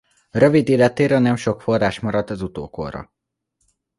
Rövid életéről nem sok forrás maradt az utókorra.